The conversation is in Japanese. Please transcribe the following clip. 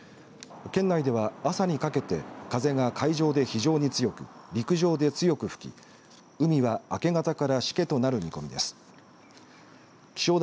県内では朝にかけて風が海上で非常に強く陸上で強く吹き海は明け方からしけとなる見込みです。